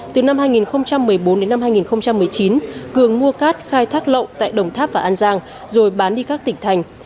từ năm hai nghìn một mươi bốn đến năm hai nghìn một mươi chín cường mua cát khai thác lậu tại đồng tháp và an giang rồi bán đi các tỉnh thành